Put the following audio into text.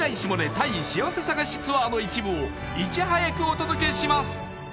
タイ幸せ探しツアーの一部をいち早くお届けします